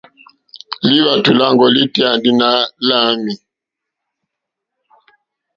Lúwàtò lâŋɡɔ́ lítéyà ndí lí láǃámɛ̀.